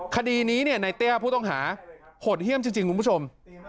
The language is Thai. คดีนี้ในเตี้ยผู้ต้องหาหดเยี่ยมจริงคุณผู้ชม